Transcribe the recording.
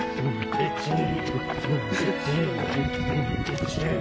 １、２。